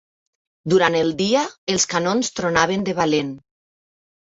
Durant el dia, els canons tronaven de valent.